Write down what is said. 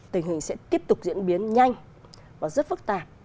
tình hình sẽ tiếp tục diễn biến nhanh và rất phức tạp